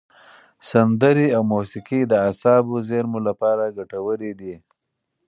سندرې او موسیقي د اعصابو زېرمو لپاره ګټورې دي.